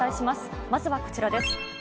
まずはこちらです。